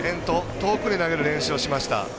遠くに投げる練習をしました。